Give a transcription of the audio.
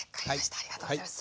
ありがとうございます。